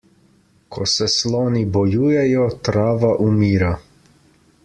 Ko se sloni bojujejo, trava umira.